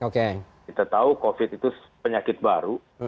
kita tahu covid sembilan belas itu penyakit baru